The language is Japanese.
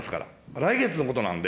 来月のことなんで。